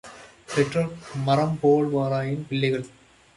பெற்றோர் மரம்போல்வராயின், பிள்ளைகள்